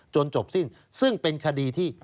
จบสิ้นซึ่งเป็นคดีที่